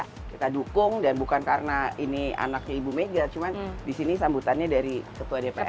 jadi ibu mega saya dukung dan bukan karena ini anaknya ibu mega cuman disini sambutannya dari ketua dpr ri gitu